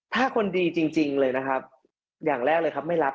ถ้าคนดีจริงเลยอย่างแรกเลยไม่รับ